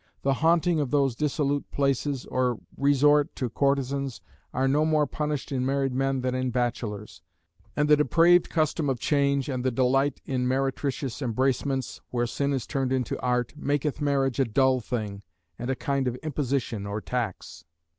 The haunting of those dissolute places, or resort to courtesans, are no more punished in married men than in bachelors. And the depraved custom of change, and the delight in meretricious embracements, (where sin is turned into art,) maketh marriage a dull thing, and a kind of imposition or tax.